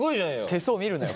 手相見るなよ